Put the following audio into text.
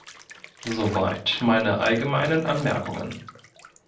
Soweit meine allgemeinen Anmerkungen.